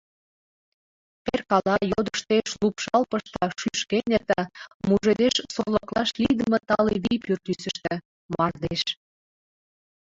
«Перкала, йодыштеш, лупшал пышта, шӱшкен эрта, мужедеш сорлыклаш лийдыме тале вий пӱртӱсыштӧ — мардеж.